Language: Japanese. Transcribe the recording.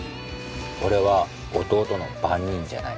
俺は弟の番人じゃない」。